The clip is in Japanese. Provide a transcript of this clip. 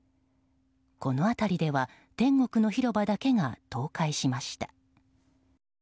この辺りでは天国の広場だけが倒壊しました。